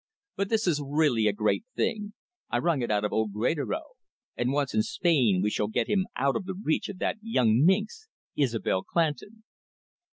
But this is really a great thing. I wrung it out of old Greatorex. And, once in Spain, we shall get him out of the reach of that young minx, Isobel Clandon."